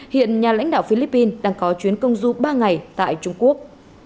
hiện nhà lãnh đạo philippines đang có chuyến công du ba ngày tại trung quốc